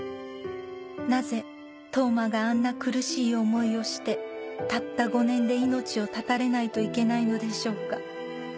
「なぜ冬生があんな苦しい思いをしてたった５年で命を絶たれないといけないのでしょうか」